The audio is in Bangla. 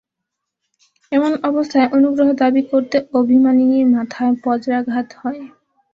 এমন অবস্থায় অনুগ্রহ দাবি করতে অভিমানিনীর মাথায় বজ্রাঘাত হয়।